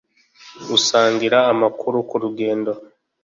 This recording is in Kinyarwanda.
gusangira amakuru ku rugendo